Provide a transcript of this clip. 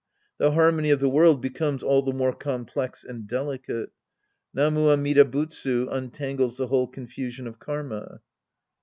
The harmony of the world becomes all the more complex and delicate. " Namu Amida Butsu " untangles the whole confusion of karma.